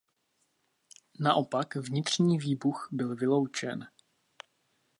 Naopak vnitřní výbuch byl vyloučen.